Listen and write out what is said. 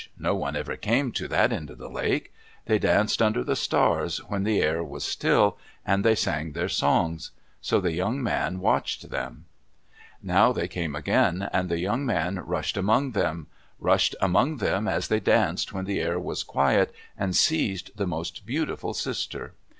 No one ever came to that end of the lake. They danced under the stars, when the air was still, and they sang their songs. So the young man watched them. Now they came again, and the young man rushed among them; rushed among them as they danced when the air was quiet, and seized the most beautiful sister.